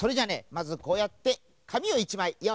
まずこうやってかみを１まいよういします。